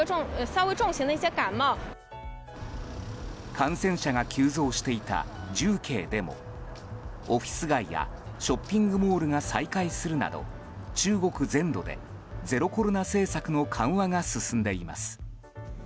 感染者が急増していた重慶でもオフィス街やショッピングモールが再開するなど中国全土で、ゼロコロナ政策の緩和が進んでいます。